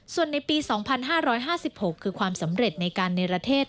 ส่วนในปี๒๕๕๖คือความสำเร็จในการเนรเทศ